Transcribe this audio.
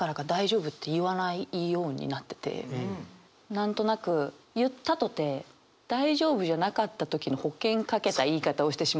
何となく言ったとて大丈夫じゃなかった時の保険かけた言い方をしてしまうというか。